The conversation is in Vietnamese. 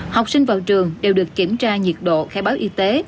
học sinh vào trường đều được kiểm tra nhiệt độ khai báo y tế